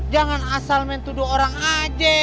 jangan asal main tuduh orang aja